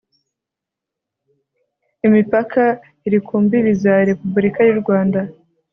imipaka iri ku mbibi za repubulika y'u rwanda